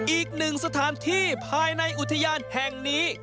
อีกหนึ่งสถานที่ภายในอุทยานแห่งนี้